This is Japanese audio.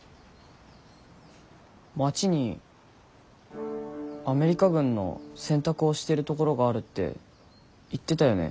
町にアメリカ軍の洗濯をしてるところがあるって言ってたよね